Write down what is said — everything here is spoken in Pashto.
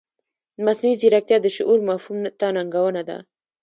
مصنوعي ځیرکتیا د شعور مفهوم ته ننګونه ده.